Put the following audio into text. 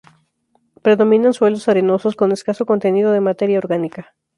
Predominan suelos arenosos con escaso contenido de materia orgánica.